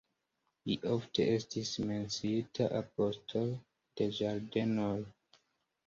Li ofte estis menciita "apostolo de ĝardenoj.